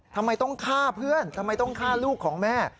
ทำไมต้องฆ่าเพื่อนทำไมต้องฆ่าลูกของแม่